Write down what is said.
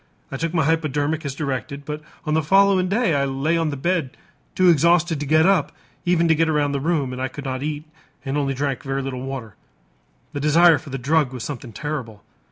I took my hypodermic as directed, but on the following day I lay on the bed too exhausted to get up even to get around the room, and I could not eat and only drank a very little water. The desire for the drug was something terrible.